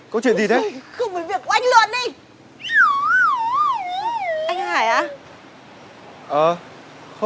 khách cái thằng nhá